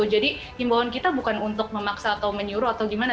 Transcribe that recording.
jadi imbauan kita bukan untuk memaksa atau menyuruh atau gimana